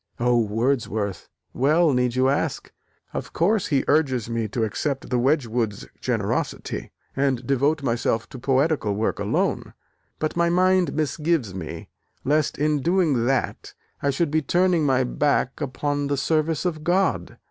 "Oh, Wordsworth, well, need you ask? Of course he urges me to accept the Wedgwoods' generosity, and devote myself to poetical work alone. But my mind misgives me, lest in doing that I should be turning my back upon the service of God.